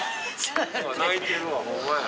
泣いてるわホンマや。